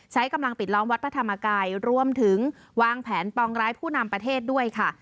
ใช้กำลังปิดล้อมวัดพระธรรมกายรวมถึงวางแผนปองร้ายผู้นำประเทศด้วยค่ะ